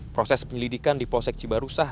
proses penyelidikan di polsek cibarusah